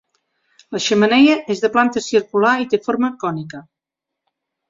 La xemeneia és de planta circular i té forma cònica.